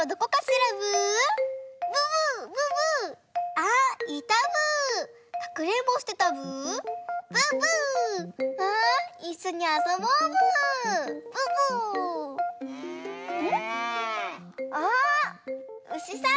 あっうしさん